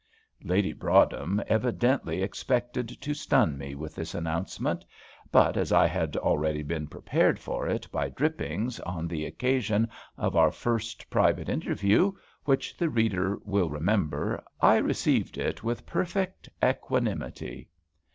Lady Broadhem evidently expected to stun me with this announcement, but as I had already been prepared for it by Drippings on the occasion of our first private interview, which the reader will remember, I received it with perfect equanimity.